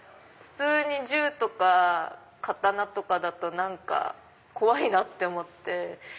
普通に銃とか刀とかだと何か怖いなって思って。